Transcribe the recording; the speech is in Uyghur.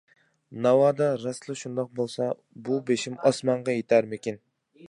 ناۋادا راستلا شۇنداق بولسا بۇ بېشىم ئاسمانغا يىتەرمىكىن؟ !